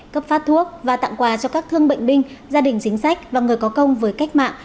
cấp phát thuốc và tặng quà cho các thương bệnh binh gia đình chính sách và người có công với cách mạng